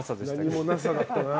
何もなさだったな。